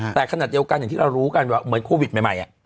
แต่ขนาดเดียวกันอย่างที่เรารู้กันว่าเหมือนโควิดใหม่